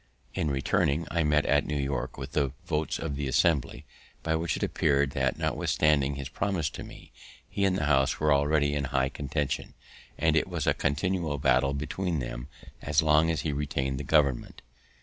In returning, I met at New York with the votes of the Assembly, by which it appear'd that, notwithstanding his promise to me, he and the House were already in high contention; and it was a continual battle between them as long as he retain'd the government.